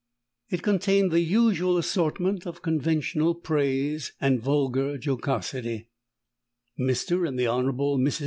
It contained the usual assortment of conventional praise and vulgar jocosity: _Mr. and the Hon. Mrs.